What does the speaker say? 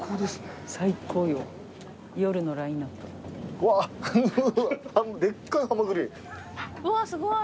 うわすごい！